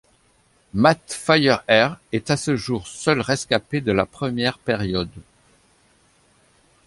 Mat Firehair est à ce jour seul rescapé de la première période.